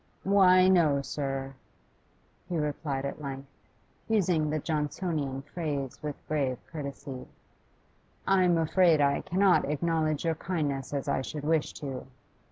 'Why, no, sir,' he replied at length, using the Johnsonian phrase with grave courtesy. 'I'm afraid I cannot acknowledge your kindness as I should wish to.